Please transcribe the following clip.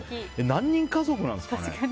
何人家族なんですかね。